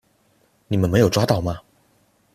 你们没有抓到吗？